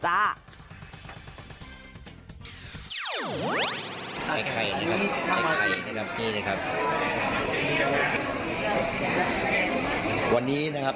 ไอ่ไข่ไอ่ไข่เหลือกันแบบนี้สิครับ